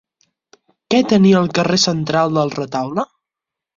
Què tenia el carrer central del retaule?